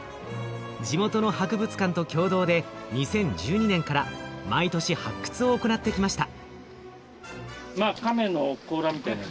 地元の博物館と共同で２０１２年から毎年発掘を行ってきました。